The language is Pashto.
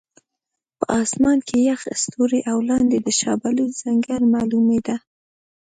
په اسمان کې یخ ستوري او لاندې د شاه بلوط ځنګل معلومېده.